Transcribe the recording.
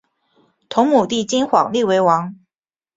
同母弟金晃立为王。